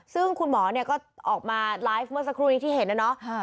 ซึ่งคุณหมอเนี่ยก็ออกมาไลฟ์เมื่อสักครู่นี้ที่เห็นนะเนาะ